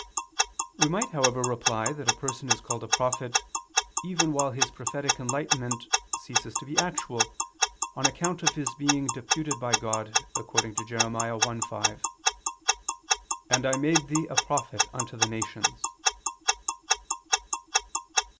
We might, however, reply that a person is called a prophet, even while his prophetic enlightenment ceases to be actual, on account of his being deputed by God, according to Jer. 1:5, "And I made thee a prophet unto the nations."